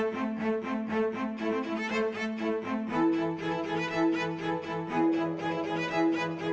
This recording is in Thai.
ทุกคนพร้อมแล้วขอเสียงปลุ่มมือต้อนรับ๑๒สาวงามในชุดราตรีได้เลยค่ะ